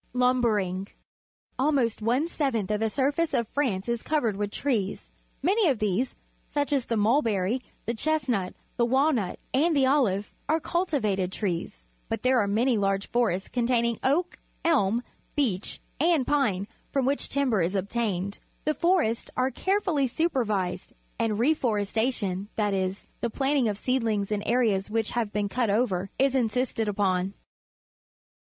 Lumbering. — Almost one seventh of the surface of France is covered with trees. Many of these, such as the mulbe cry, the chestmit, the walnut , and the olive, are cultivated trees, but there are many large forests containing oak, elm, beech, and p ing, from which timber is obtained. The forests are carefully supervised, and reforestation, that is, the planting of seedlings in areas which have been cut over, is insisted upon.